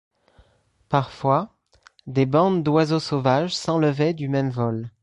Parfois, des bandes d’oiseaux sauvages s’enlevaient du même vol.